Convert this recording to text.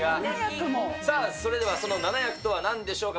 さあ、それではその７役とはなんでしょうか。